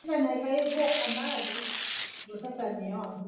nyinyi hapo inawa inawadhiri vipi